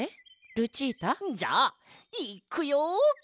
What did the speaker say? ルチータ？じゃあいっくよ！